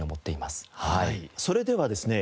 それではですね